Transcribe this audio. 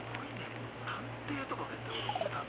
もう探偵とかのやってることだもんね。